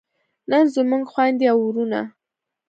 نن زموږ خویندې او وروڼه